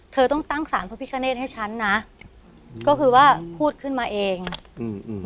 เธอต้องตั้งสารพระพิคเนตให้ฉันนะก็คือว่าพูดขึ้นมาเองอืมอืม